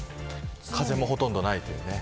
風もほとんどないというね。